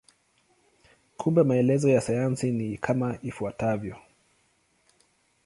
Kumbe maelezo ya sayansi ni kama ifuatavyo.